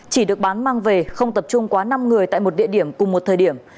chỉ được bán mang về không tập trung quá năm người tại một địa điểm cùng một thời điểm